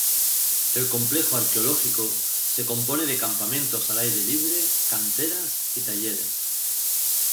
El complejo arqueológico se compone de campamentos al aire libre, canteras y talleres.